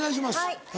はい。